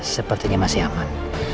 sepertinya masih aman